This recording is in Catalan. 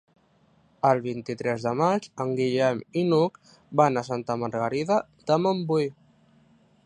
El vint-i-tres de maig en Guillem i n'Hug van a Santa Margarida de Montbui.